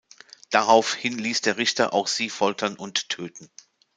Daraufhin ließ der Richter auch sie foltern und töten.